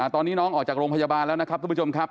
ตอนนี้น้องออกจากโรงพยาบาลแล้วนะครับทุกผู้ชมครับ